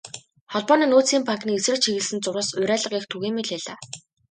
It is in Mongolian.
Холбооны нөөцийн банкны эсрэг чиглэсэн зурвас, уриалга их түгээмэл байлаа.